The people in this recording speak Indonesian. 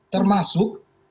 termasuk rumah sakit